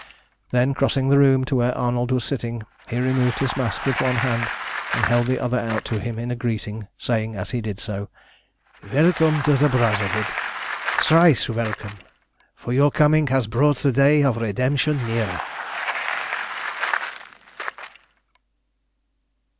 Then, crossing the room to where Arnold was sitting, he removed his mask with one hand, and held the other out to him in greeting, saying as he did so "Welcome to the Brotherhood! Thrice welcome! for your coming has brought the day of redemption nearer!"